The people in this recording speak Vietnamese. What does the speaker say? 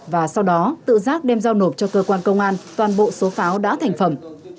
và sau đó tự giác đem giao nộp cho cơ quan công an toàn bộ số pháo đã thành phẩm